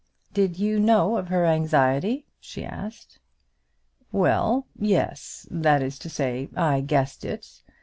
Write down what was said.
"Did you know of her anxiety?" she asked. "Well; yes; that is to say, I guessed it.